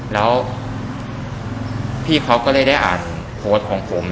แล้วพี่เขาก็เลยได้อ่านโพสต์ของผม